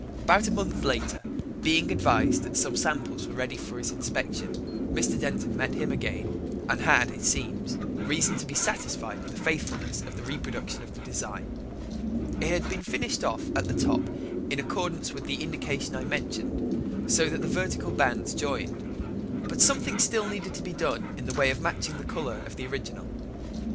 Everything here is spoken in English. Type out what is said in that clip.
About a month later, being advised that some samples were ready for his inspection, Mr. Denton met him again, and had, it seems, reason to be satisfied with the faithfulness of the reproduction of the design. It had been finished off at the top in accordance with the indication I mentioned, so that the vertical bands joined. But something still needed to be done in the way of matching the colour of the original.